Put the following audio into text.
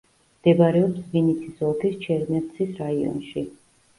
მდებარეობს ვინიცის ოლქის ჩერნევცის რაიონში.